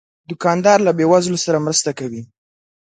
دوکاندار له بې وزلو سره مرسته کوي.